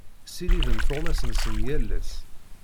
Ssiriden tuɣmas-nsen yal ass.